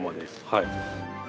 はい。